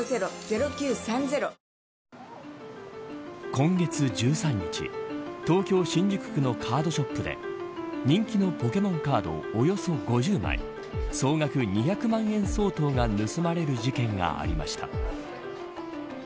今月１３日東京・新宿区のカードショップで人気のポケモンカードをおよそ５０枚総額２００万円相当が盗まれる事件がありました。